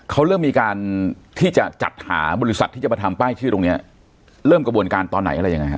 เขาเริ่มมีการที่จะจัดหาบริษัทที่จะมาทำป้ายชื่อตรงเนี้ยเริ่มกระบวนการตอนไหนอะไรยังไงฮะ